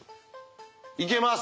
いけます。